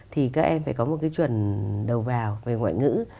thì các em phải có một cái chuẩn đầu vào về ngoại ngữ